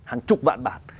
hàng chục vạn bản